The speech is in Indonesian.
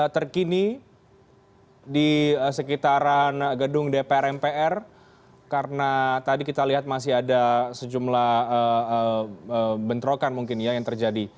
terkini di sekitaran gedung dpr mpr karena tadi kita lihat masih ada sejumlah bentrokan mungkin ya yang terjadi